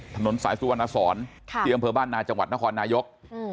ถนนสายสุวรรณสอนที่อำเภอบ้านนาจังหวัดนครนายก